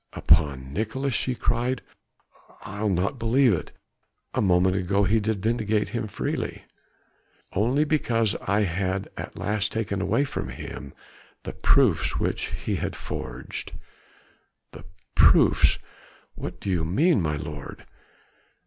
"Upon Nicolaes," she cried, "I'll not believe it. A moment ago he did vindicate him freely." "Only because I had at last taken away from him the proofs which he had forged." "The proofs? what do you mean, my lord?"